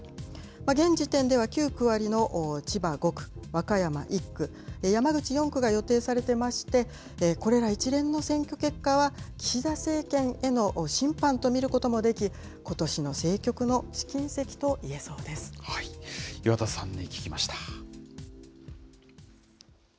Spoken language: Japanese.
現時点では旧区割りの千葉５区、和歌山１区、山口４区が予定されてまして、これら一連の選挙結果は、岸田政権への審判と見ることもでき、ことしの政局の試金石といえ岩田さんに聞きました。